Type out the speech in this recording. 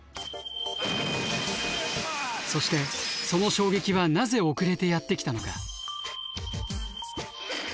そしてその衝撃はなぜ遅れてやって来たのか？